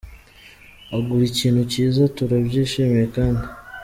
ugura ikintu cyiza Turabyishimiye kandi.